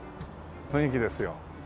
雰囲気ですよ。